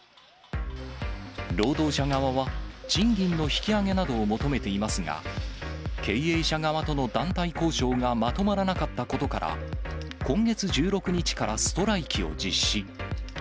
労働者側は賃金の引き上げなどを求めていますが、経営者側との団体交渉がまとまらなかったことから、今月１６日からストライキを実施。